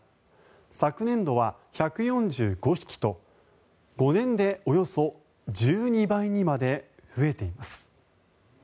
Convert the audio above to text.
昨年度は１４５匹と５年でおよそ１２倍にまで増えています。